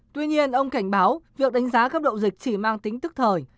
tuy nhiên ông cảnh báo việc đánh giá cấp độ dịch chỉ mang tính tức thời